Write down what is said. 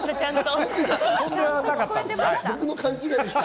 僕の勘違いでした。